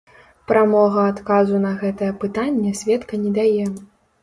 Прамога адказу на гэтае пытанне сведка не дае.